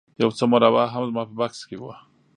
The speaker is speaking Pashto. یو څه مربا هم زما په بکس کې وه